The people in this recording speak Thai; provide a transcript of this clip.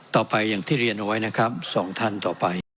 ต่อไปอย่างที่เรียนเอาไว้นะครับ๒ท่านต่อไป